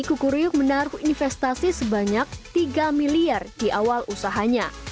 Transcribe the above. kukur yuk menaruh investasi sebanyak tiga miliar di awal usahanya